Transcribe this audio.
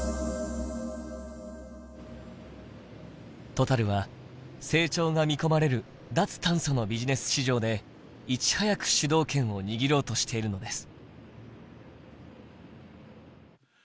トタルは成長が見込まれる脱炭素のビジネス市場でいち早く主導権を握ろうとしているのです。